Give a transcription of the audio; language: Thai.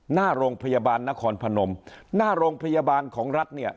หน้าโรงพยาบาลนครพนมหน้าโรงพยาบาลของรัฐเนี่ย